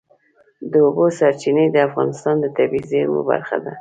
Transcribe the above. د اوبو سرچینې د افغانستان د طبیعي زیرمو برخه ده.